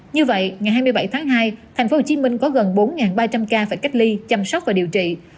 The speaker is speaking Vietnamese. như vậy ngày hai mươi bảy tháng hai tp hcm có gần bốn ba trăm linh ca phải cách ly chăm sóc và điều trị